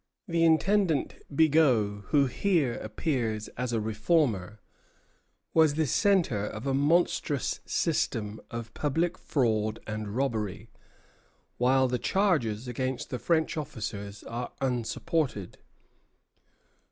The Intendant Bigot, who here appears as a reformer, was the centre of a monstrous system of public fraud and robbery; while the charges against the French officers are unsupported.